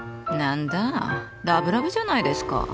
何だラブラブじゃないですか。